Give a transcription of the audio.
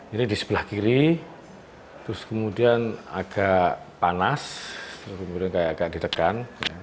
ini di sebelah kiri terus kemudian agak panas kemudian kayak agak ditekan